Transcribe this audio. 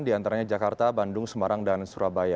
di antaranya jakarta bandung semarang dan surabaya